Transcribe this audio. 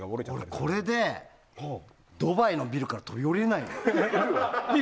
これでドバイのビルから飛び降りれないよ。